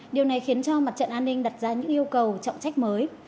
điều này khiến cho mặt trận an ninh đặt ra những yêu cầu trọng trách mới